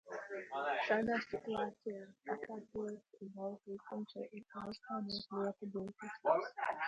Šādas situācijas atkārtojas, ir daudzi likumi, kuri ir pārstrādāti ļoti būtiski.